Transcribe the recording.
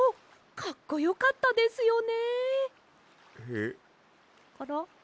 かっこよかったですよね！